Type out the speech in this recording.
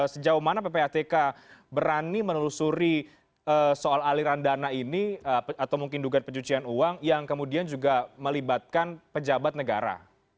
sejauh mana ppatk berani menelusuri soal aliran dana ini atau mungkin dugaan pencucian uang yang kemudian juga melibatkan pejabat negara